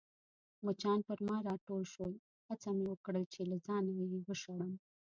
مچان پر ما راټول شول، هڅه مې وکړل چي له ځانه يې وشړم.